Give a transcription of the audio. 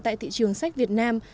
tại thị trường sách việt nam